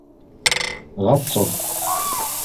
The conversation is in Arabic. غطس.